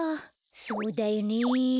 そうだよね。